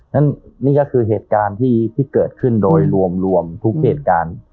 นั่นนี่ก็คือเหตุการณ์ที่เกิดขึ้นโดยรวมทุกเหตุการณ์